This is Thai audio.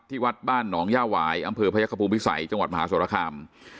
วัดบ้านหนองย่าหวายอำเภอพยคภูมิพิสัยจังหวัดมหาสรคาม